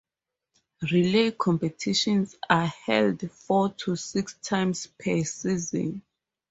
Relay competitions are held four to six times per season.